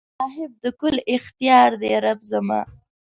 چې صاحب د کل اختیار دې رب زما